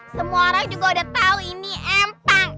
semua orang juga udah tahu ini empang